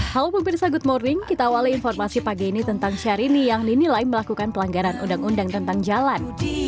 halo pemirsa good morning kita awali informasi pagi ini tentang syahrini yang dinilai melakukan pelanggaran undang undang tentang jalan